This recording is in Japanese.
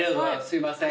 すいません